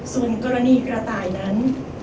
ส่วนกรณีกระต่ายนั้น